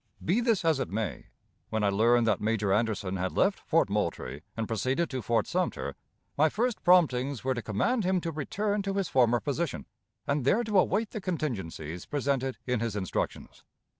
Be this as it may, when I learned that Major Anderson had left Fort Moultrie, and proceeded to Fort Sumter, my first promptings were to command him to return to his former position, and there to await the contingencies presented in his instructions.